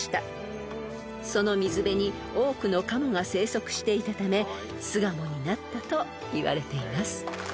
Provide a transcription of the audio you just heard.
［その水辺に多くのカモが生息していたため巣鴨になったといわれています］